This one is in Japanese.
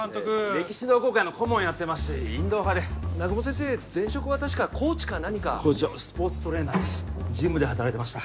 歴史同好会の顧問やってますしインドア派で南雲先生前職は確かコーチか何か校長スポーツトレーナーですジムで働いてました